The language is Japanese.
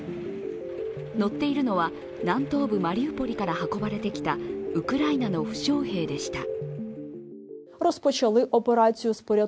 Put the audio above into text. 乗っているのは南東部マリウポリから運ばれてきたウクライナの負傷兵でした。